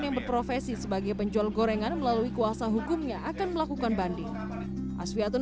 yang berprofesi sebagai penjual gorengan melalui kuasa hukumnya akan melakukan banding asviatun